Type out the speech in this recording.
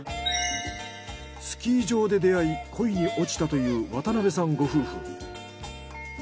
スキー場で出会い恋に落ちたという渡辺さんご夫婦。